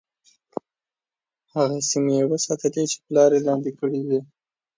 هغه سیمي یې وساتلې چې پلار یې لاندي کړې وې.